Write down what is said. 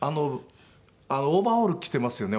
オーバーオール着てますよね